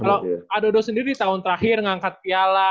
kalau adodo sendiri setahun terakhir ngangkat piala